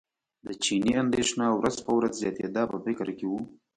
د چیني اندېښنه ورځ په ورځ زیاتېده په فکر کې و.